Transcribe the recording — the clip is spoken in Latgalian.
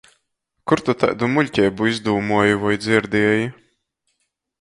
Kur tu taidu muļkeibu izdūmuoji voi dzierdieji?